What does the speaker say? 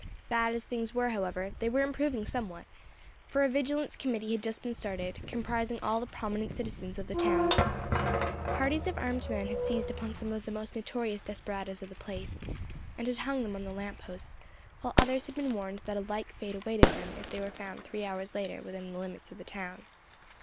Bad as things were, however, they were improving somewhat, for a Vigilance Committee had just been started, comprising all the prominent citizens of the town. Parties of armed men had seized upon some of the most notorious desperadoes of the place, and had hung them on the lamp posts, while others had been warned that a like fate awaited them if they were found three hours later within the limits of the town.